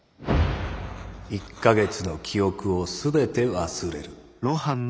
「一ヶ月の記憶を全て忘れる」。